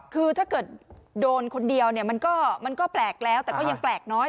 คือถ้าเกิดโดนคนเดียวเนี่ยมันก็แปลกแล้วแต่ก็ยังแปลกน้อย